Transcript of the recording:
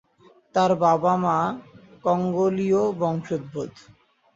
তার বাবা-মা কঙ্গোলীয় বংশোদ্ভূত।